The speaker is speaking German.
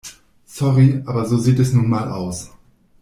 Sorry, aber so sieht es nun mal aus.